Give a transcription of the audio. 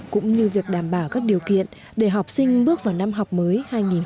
cũng như việc đảm bảo các điều kiện để học sinh bước vào năm học mới hai nghìn một mươi bảy hai nghìn một mươi tám